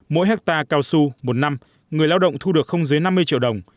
mỗi hectare cao su một năm người lao động thu được không dưới năm mươi triệu đồng